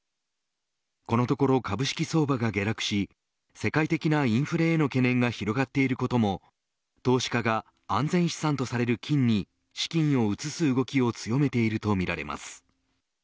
このところ株式相場が下落し世界的なインフレへの懸念が広がっていることも投資家が安全資産とされる金に資金を移す動きを強めているとみられます。